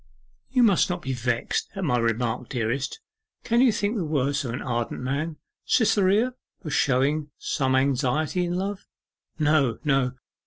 'You must not be vexed at my remark, dearest. Can you think the worse of an ardent man, Cytherea, for showing some anxiety in love?' 'No, no.